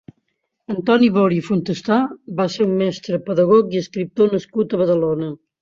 Antoni Bori i Fontestà va ser un mestre, pedagog i escriptor nascut a Badalona.